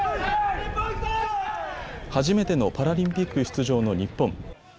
初めてのパラリンピック出場の日本。